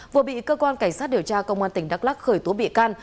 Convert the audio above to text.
vừa bị cơ quan cảnh sát điều tra công an tỉnh đắk lắc khởi tố bị can